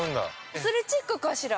◆アスレチックかしら。